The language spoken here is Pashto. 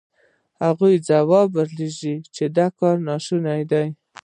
خو هغوی ځواب ور ولېږه چې دا کار ناشونی دی.